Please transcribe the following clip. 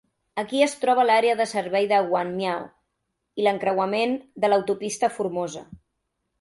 Aquí es troba l'àrea de servei de Guanmiao i l'encreuament de l'autopista Formosa.